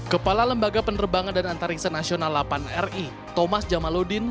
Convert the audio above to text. kepala lembaga penerbangan dan antariksa nasional delapan ri thomas jamaludin